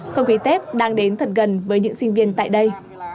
không khí tết đang đến thật gần với những sinh viên tại đây